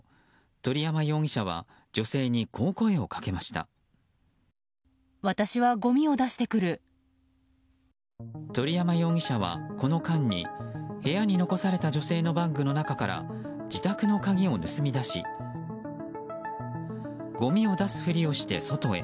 鳥山容疑者はこの間に部屋に残された女性のバッグの中から自宅の鍵を盗み出しごみを出すふりをして外へ。